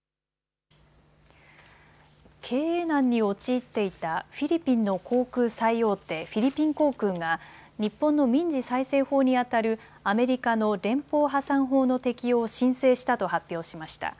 経営難に陥っていたフィリピンの航空最大手、フィリピン航空が日本の民事再生法にあたるアメリカの連邦破産法の適用を申請したと発表しました。